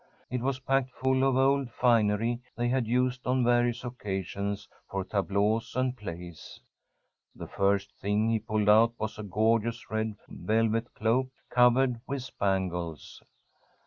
It was packed full of old finery they had used on various occasions for tableaux and plays. The first thing he pulled out was a gorgeous red velvet cloak covered with spangles.